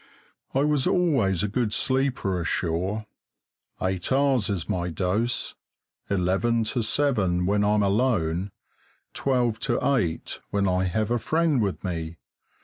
I was always a good sleeper ashore; eight hours is my dose, eleven to seven when I'm alone, twelve to eight when I have a friend with me.